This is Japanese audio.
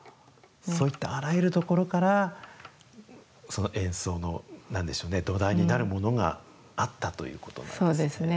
そういったあらゆるところから、その演奏のなんでしょうね、土台になるものがあったということなそうですね。